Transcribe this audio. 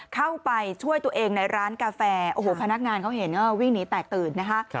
เข้าไปช่วยตัวเองในร้านกาแฟโอ้โหพนักงานเขาเห็นก็วิ่งหนีแตกตื่นนะคะ